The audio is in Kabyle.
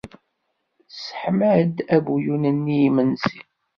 Tesseḥma-d abuyun-nni i yimensi.